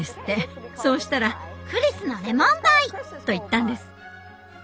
そうしたら「クリスのレモンパイ！」と言ったんです。